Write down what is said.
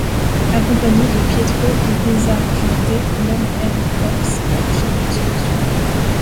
Accompagné de Pietro et désargenté, l'homme erre en Corse à la recherche d'une solution.